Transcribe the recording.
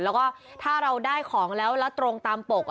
แล้วก็ถ้าเราได้ของแล้วแล้วตรงตามปก